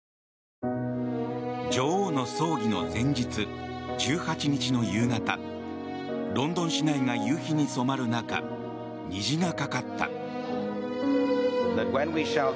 女王の葬儀の前日１８日の夕方ロンドン市内が夕日に染まる中虹がかかった。